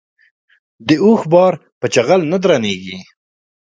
د اوښ بار په چيغل نه درنېږي.